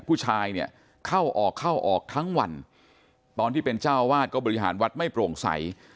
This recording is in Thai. ผู้ชายเนี่ยเข้าออกเข้าออกทั้งวันตอนที่เป็นเจ้าวาดก็บริหารวัดไม่โปร่งใส